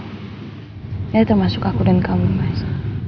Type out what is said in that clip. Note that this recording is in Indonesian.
akan jatuh ya termasuk aku dan kamu mas